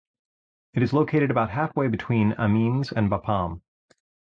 It is located about halfway between Amiens and Bapaume.